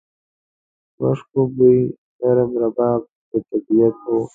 مشکو بوی، نرم رباب د طبیعت و